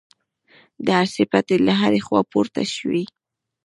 د ارسي پټې له هرې خوا پورته شوې.